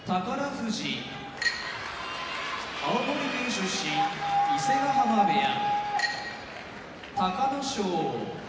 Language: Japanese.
富士青森県出身伊勢ヶ濱部屋